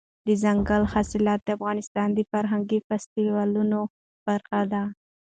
دځنګل حاصلات د افغانستان د فرهنګي فستیوالونو برخه ده.